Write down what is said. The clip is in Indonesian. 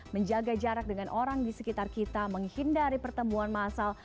menjaga jarak dengan orang di sekitar kita menghindari pertemuan masal